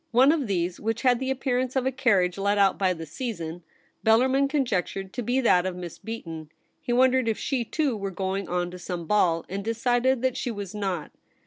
One of these, which had the appearance of a carriage let out by the season, Bellarmin conjectured to be that of Miss Beaton. He wondered if she, too, were going on to some ball, and decided that she was not.